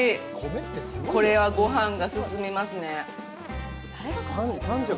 これはごはんが進みますね。